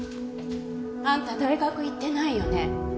あんた大学行ってないよね。